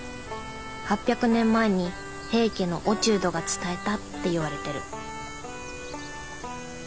８００年前に平家の落人が伝えたっていわれてる。